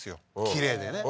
きれいでね